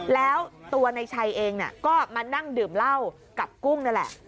แล้วตัวนายชัยเองก็มานั่งดื่มเหล้ากับกุ้งนั่นแหละ